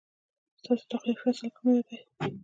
ستا د خوښې فصل کوم دی؟